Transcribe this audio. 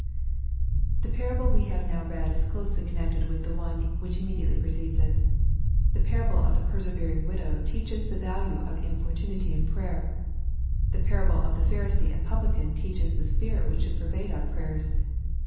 » 99 The parable we have now read is closely connected with the one which immediately precedes it. The parable of the persevering widow teaches the value of importunity in prayer. The parable of the Pharisee and publican teaches the spirit which should pervade our prayers.